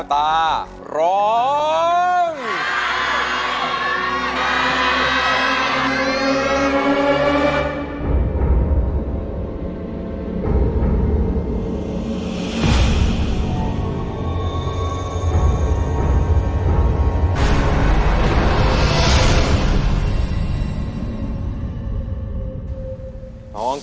ที่บอกใจยังไง